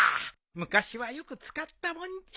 昔はよく使ったもんじゃ。